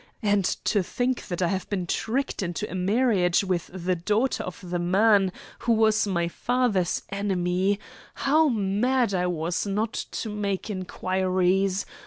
And to think that I have been tricked into a marriage with the daughter of the man who was my father's enemy. How mad I was not to make inquiries!